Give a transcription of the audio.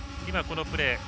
このプレー。